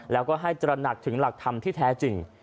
แล้วก็ให้ตระหนักถึงหลักธรรมที่แท้จริง